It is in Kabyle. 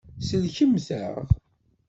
Sellkemt-aɣ.